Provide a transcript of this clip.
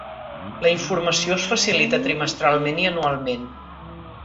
La informació es facilita trimestralment i anualment.